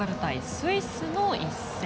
スイスの一戦。